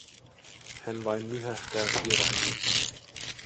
Hän vain myhähtää sieraimiinsa.